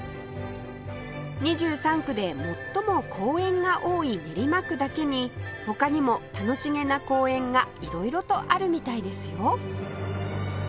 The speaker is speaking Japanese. ２３区で最も公園が多い練馬区だけに他にも楽しげな公園が色々とあるみたいですよ